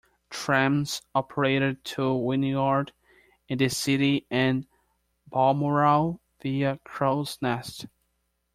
Trams operated to Wynyard in the city and Balmoral via Crows Nest.